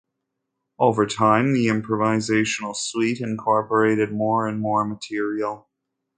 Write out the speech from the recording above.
Over time, the improvisational suite incorporated more and more material.